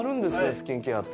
スキンケアって。